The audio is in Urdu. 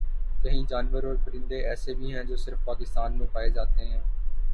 کہیں جانور اور پرندے ایسے بھی ہیں جو صرف پاکستان میں پائے جاتے